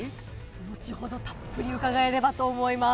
後ほどたっぷり伺えればと思います。